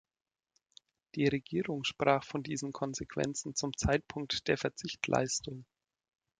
Die Regierung sprach von diesen Konsequenzen zum Zeitpunkt der Verzichtleistung.